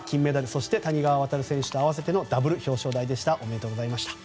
そして谷川航選手と併せてのダブル表彰台でした。